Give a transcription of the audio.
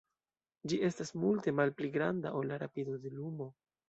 Ĝi estas multe malpli granda ol la rapido de lumo.